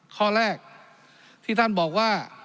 ข้อแรกที่ท่านบอกว่า